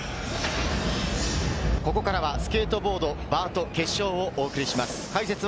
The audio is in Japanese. ここからはスケートボード、バート決勝をお送りします。